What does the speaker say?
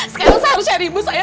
sekarang saya harus cari bus saya